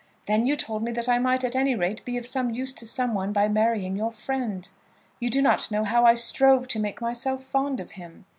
Then you told me that I might at any rate be of some use to some one, by marrying your friend. You do not know how I strove to make myself fond of him!